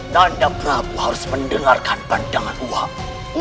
nanda prabu harus mendengarkan pandangan uangmu